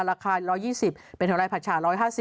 ราคา๑๒๐เป็นเท่าไรผัดฉา๑๕๐